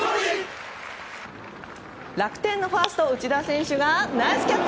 楽天のファースト内田選手がナイスキャッチ！